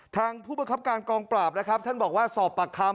ทางผู้บัครับการกองปราบแล้วครับท่านบอกว่าสอบปัคครรม